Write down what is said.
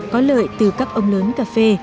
có lợi từ các ông lớn cafe